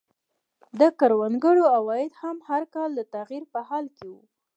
د کروندګرو عواید هم هر کال د تغییر په حال کې وو.